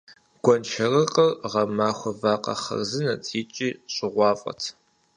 Гуэншэрыкъыр гъэмахуэ вакъэ хъарзынэт икӀи щӀыгъуафӀэт.